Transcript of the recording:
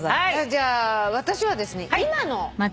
じゃあ私はですね今の。